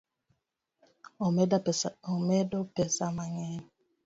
Omedo pesa mang'eny